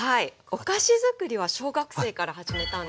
お菓子づくりは小学生から始めたので。